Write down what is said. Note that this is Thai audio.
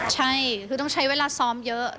ใช่คือต้องใช้เวลาซ้อมเยอะ